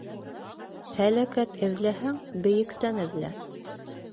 Һәләкәт эҙләһәң, бейектән эҙлә.